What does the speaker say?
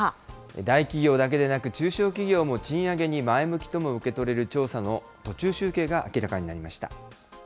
大企業だけでなく、中小企業も賃上げに前向きとも受け取れる調査の途中集計が明らか